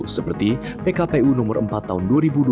seperti pkpu nomor empat tahun dua ribu dua puluh